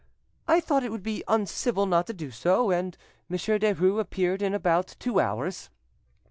I thought it would be uncivil not to do so, and Monsieur Derues appeared in about two hours.